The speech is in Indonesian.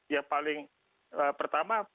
yang paling pertama